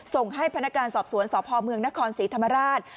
ส่งให้พนักการสอบสวนสพเมืองนครศรีธรรมราช